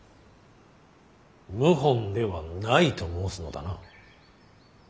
謀反ではないと申すのだな。